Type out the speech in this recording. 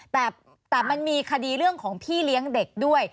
แต่มันมีคดีเรื่องของพี่เลี้ยงเด็กด้วย